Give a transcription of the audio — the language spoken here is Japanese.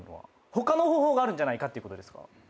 他の方法があるんじゃないかっていうことですか？